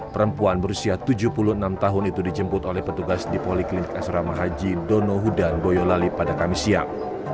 perempuan berusia tujuh puluh enam tahun itu dijemput oleh petugas di poliklinik asrama haji donohudan boyolali pada kamis siang